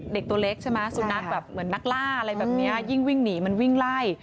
เด็กตัวเล็กสุนัขเหมือนนักล่ายิ่งวิ่งหนีมันวิ่งไล่